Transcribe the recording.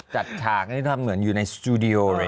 จัดฉากนี่ท่านเหมือนอยู่ในสตูดิโอเลยนะ